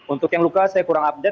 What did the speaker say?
untuk yang luka saya kurang update